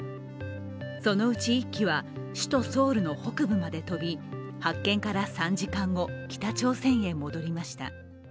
そのうち１機は首都ソウルの北部まで飛び、発見から３時間後、北朝鮮へ戻りました。